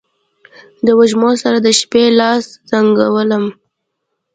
د وږمو سره، د شپې لاس زنګولم